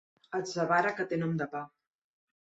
Atzavara que té nom de pa.